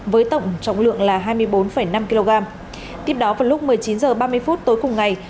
với tổng trọng lượng là hai mươi bốn năm kg tiếp đó vào lúc một mươi chín h ba mươi phút tối cùng ngày